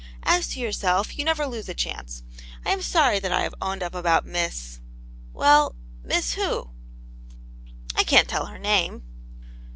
As to your self, you never lose a chance. I am sorry that I have owned up about Miss '* ''Well, Miss who?" " I can't tell her name."